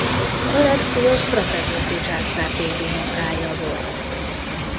Alexiosz trapezunti császár dédunokája volt.